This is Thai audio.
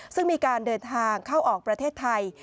ซึ่งมีการเดินทางเข้าออกประเทศไทย